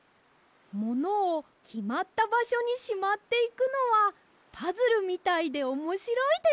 ものをきまったばしょにしまっていくのはパズルみたいでおもしろいです！